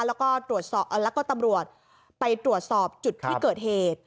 แล้วก็ตรวจสอบแล้วก็ตำรวจไปตรวจสอบจุดที่เกิดเหตุ